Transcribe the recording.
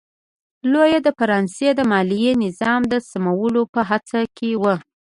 لويي د فرانسې د مالیاتي نظام د سمولو په هڅه کې و.